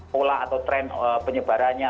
pola atau tren penyebarannya